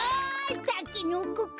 たけのこか。